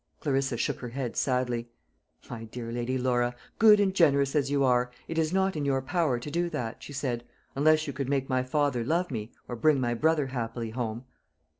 Clarissa shook her head sadly. "My dear Lady Laura, good and generous as you are, it is not in your power to do that," she said, "unless you could make my father love me, or bring my brother happily home."